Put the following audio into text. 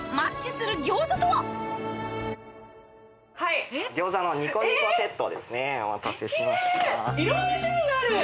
いろんな種類がある！